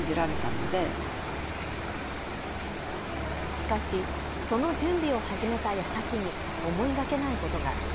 しかしその準備を始めたやさきに思いがけないことが。